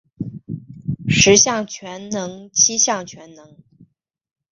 十项全能七项全能